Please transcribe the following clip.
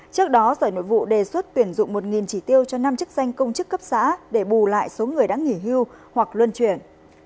trước đó sở nội vụ đề xuất tuyển dụng một chỉ tiêu cho năm chức danh công chức cấp xã để bù lại số người đã nghỉ hưu hoặc luân chuyển